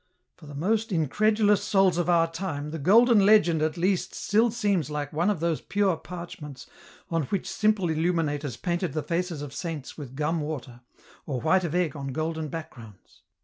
For the most incredulous souls of our time, the Golden Legend at least still seems like one of those pure parchments, on which simple illuminators painted the faces of saints with gum water, or white of egg on golden backgrounds.